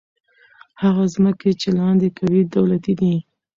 هغه ځمکې چې لاندې کوي، دولتي دي.